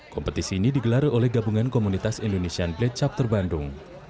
kompetisi ini digelar oleh gabungan komunitas indonesian blade chapter bandung